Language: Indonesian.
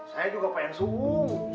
saya juga pengen suung